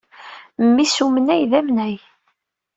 Mmis n wemnay d amnay.